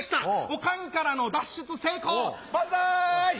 オカンからの脱出成功。